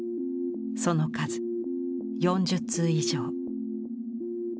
その数４０通以上。